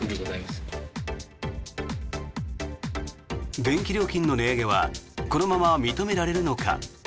電気料金の値上げはこのまま認められるのか？